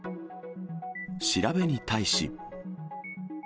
調べに対し。